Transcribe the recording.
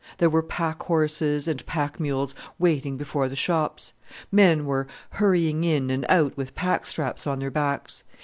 There were pack horses and pack mules waiting before the shops. Men were hurrying in and out with pack straps on their backs.